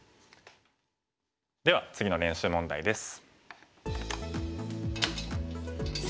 では次の練習問題です。